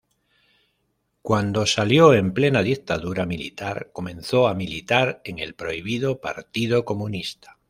Cuando salió ―en plena dictadura militar― comenzó a militar en el prohibido Partido Comunista.